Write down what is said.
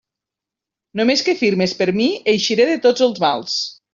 Només que firmes per mi, eixiré de tots els mals.